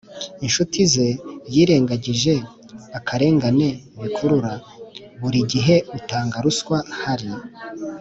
inshuti ze yirengagije akarengane bikurura. Buri gihe utanga ruswa hari